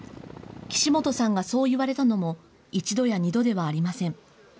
岸本さんがそう言われたのも、１度や２度ではありません。